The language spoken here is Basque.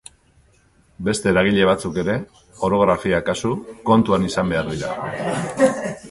Beste eragile batzuk ere, orografia kasu, kontuan izan behar dira.